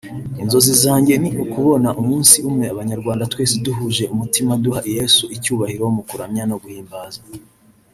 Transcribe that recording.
“Inzozi zanjye ni ukubona umunsi umwe abanyarwanda twese duhuje umutima duha Yesu icyubahiro mu kuramya no guhimbaza